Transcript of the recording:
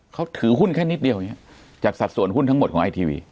เขาถือหุ้นแค่นิดเดียวอย่างนี้จากสัดส่วนหุ้นทั้งหมดของไอทีวี